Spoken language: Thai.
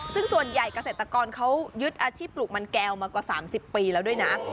ซึ่งส่วนใหญ่เกษตรกรเขายึดอาชีพปลูกมันแก้วมากว่า๓๐ปีแล้วด้วยนะ